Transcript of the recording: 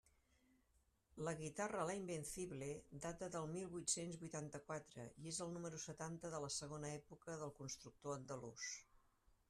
La guitarra La Invencible data del mil vuit-cents vuitanta-quatre, i és el número setanta de la segona època del constructor andalús.